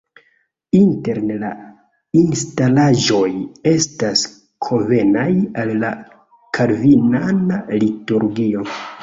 Interne la instalaĵoj estas konvenaj al la kalvinana liturgio.